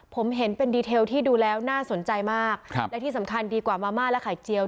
ผมเห็นเป็นดีเทลที่ดูแล้วน่าสนใจมากครับและที่สำคัญดีกว่ามาม่าและไข่เจียว